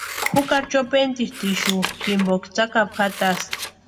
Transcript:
Jukari chopentisti ixu jimpoka tsakapu jataska.